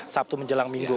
sabtu menjelang minggu